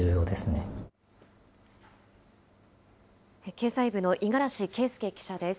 経済部の五十嵐圭祐記者です。